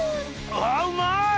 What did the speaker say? あうまい！